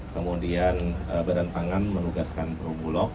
kemudian badan pangan menugaskan perum bulog